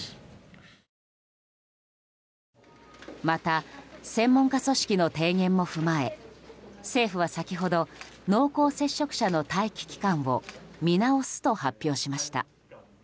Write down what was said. また、専門家組織の提言も踏まえ政府は先ほど濃厚接触者の待機期間を見直すと発表しました。